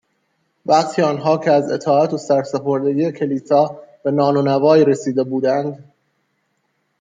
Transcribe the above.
وقتی آنها که از اطاعت و سرسپردگی کلیسا به نان و نوایی رسیده بودند